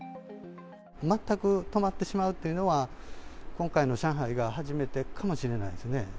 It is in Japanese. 全く止まってしまうというのは、今回の上海が初めてかもしれないですね。